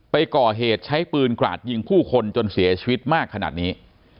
ไปก่อเหตุใช้ปืนกราดยิงผู้คนจนเสียชีวิตมากขนาดนี้